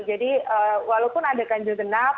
jadi walaupun ada ganjil genap